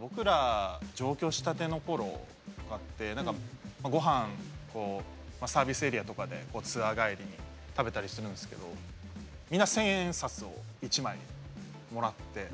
僕ら上京したての頃とかってごはんをサービスエリアとかでツアー帰りに食べたりするんですけどなわけ。